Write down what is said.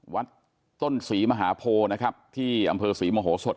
วัดต้นศรีมหาโพนะครับที่อำเภอศรีมโหสด